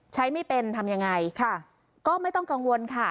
ไม่เป็นทำยังไงค่ะก็ไม่ต้องกังวลค่ะ